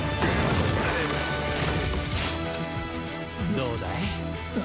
どうだい？